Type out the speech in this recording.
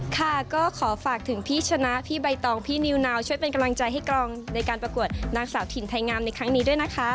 ค่ะก็ขอฝากถึงพี่ชนะพี่ใบตองพี่นิวนาวช่วยเป็นกำลังใจให้กรองในการประกวดนางสาวถิ่นไทยงามในครั้งนี้ด้วยนะคะ